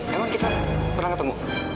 emang kita pernah ketemu